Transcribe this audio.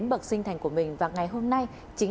bác sĩ phan bá hải